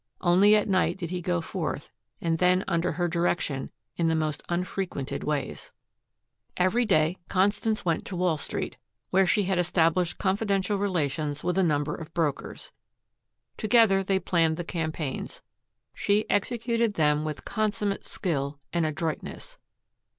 Only at night did he go forth and then under her direction in the most unfrequented ways. Every day Constance went to Wall Street, where she had established confidential relations with a number of brokers. Together they planned the campaigns; she executed them with consummate skill and adroitness.